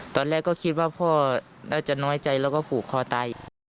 ตอนแรกก็คิดว่าพ่อน่าจะน้อยใจแล้วก็ผูกคอตาย